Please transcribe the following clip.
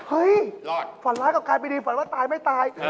ฝันร้ายกลับกลายเป็นดีฝันว่าตายไม่ตาย